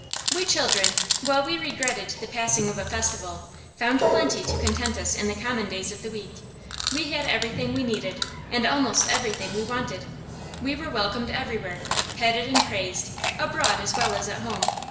We children, while we regretted the passing of a festival, found plenty to content us in the common days of the week. We had everything we needed, and almost everything we wanted. We were welcomed everywhere, petted and praised, abroad as well as at home.